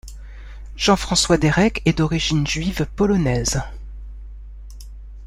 Jean-François Dérec est d'origine juive polonaise.